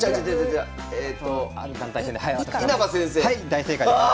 はい大正解です。